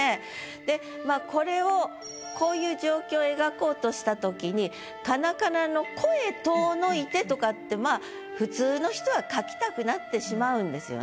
でまあこれをこういう状況描こうとした時にとかってまあ普通の人は書きたくなってしまうんですよね。